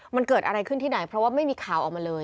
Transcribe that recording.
มันเกิดอะไรขึ้นที่ไหนเพราะว่าไม่มีข่าวออกมาเลย